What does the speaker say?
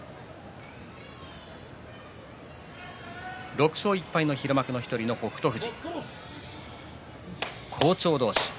６勝１敗の平幕の１人北勝富士好調同士。